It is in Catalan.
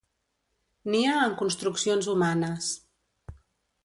Nia en construccions humanes.